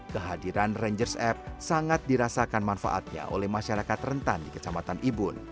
kehadiran rangers app sangat dirasakan manfaatnya oleh masyarakat rentan di kecamatan ibun